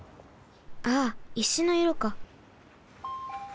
ああ石のいろか。